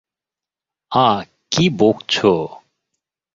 আঃ কী বকছ!